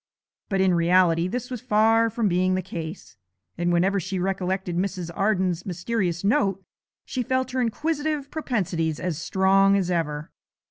But in reality this was far from being the case, and whenever she recollected Mrs. Arden's mysterious note she felt her inquisitive propensities as strong as ever.